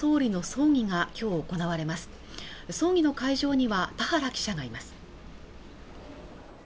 葬儀の会場には田原記者がいます